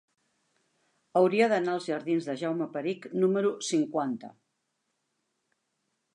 Hauria d'anar als jardins de Jaume Perich número cinquanta.